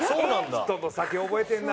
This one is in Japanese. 人の酒覚えてんな！